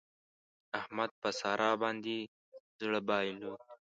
احمد په سارا باندې زړه بايلود.